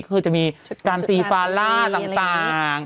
คือจะมีการตีฟาล่าต่าง